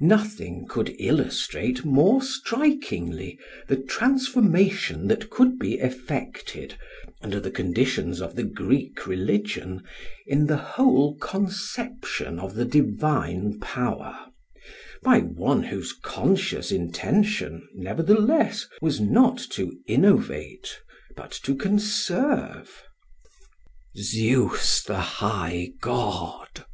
Nothing could illustrate more strikingly the transformation that could be effected, under the conditions of the Greek religion, in the whole conception of the divine power by one whose conscious intention, nevertheless, was not to innovate but to conserve. "Zeus the high God!